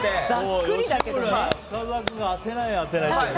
深澤君が当てない当てないって。